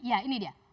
ya ini dia